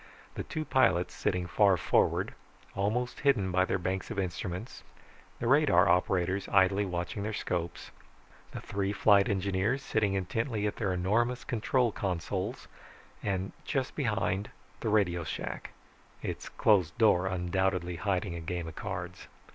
The two pilots sitting far forward, almost hidden by their banks of instruments, the radar operators idly watching their scopes, the three flight engineers sitting intently at their enormous control consoles, and, just behind, the radio shack its closed door undoubtedly hiding a game of cards.